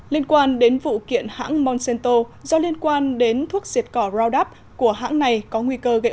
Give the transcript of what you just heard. liên quan đến vụ kiện hãng monsanto do liên quan đến thuốc diệt cỏ raudap của hãng này có nguy cơ gây